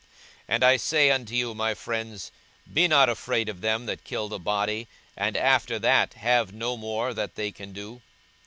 42:012:004 And I say unto you my friends, Be not afraid of them that kill the body, and after that have no more that they can do.